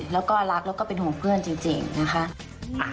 แล้วก็รักแล้วก็เป็นห่วงเพื่อนจริงนะคะ